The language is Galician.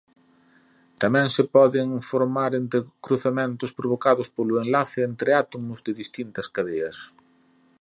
Tamén se poden formar entrecruzamentos provocados polo enlace entre átomos de distintas cadeas.